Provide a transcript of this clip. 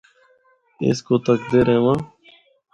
اس کو تَکدے رہواں۔